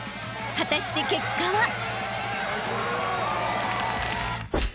［果たして結果は！？］